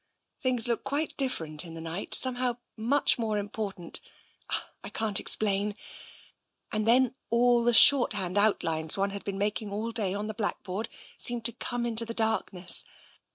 Things look quite different in the night, somehow much more important — I can't ex plain; and then all the shorthand outlines one had been making all day on the blackboard seemed to come into the darkness.